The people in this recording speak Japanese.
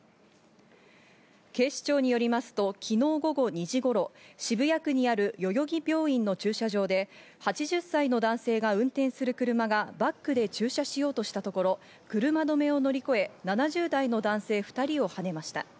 警視庁によりますと昨日午後２時頃、渋谷区にある代々木病院の駐車場で８０歳の男性が運転する車がバックで駐車しようとしたところ、車止めを乗り越え、７０代の男性２人をはねました。